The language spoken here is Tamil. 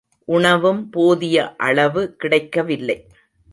உணவும் போதிய அளவு கிடைக்கவில்லை.